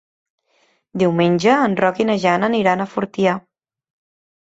Diumenge en Roc i na Jana aniran a Fortià.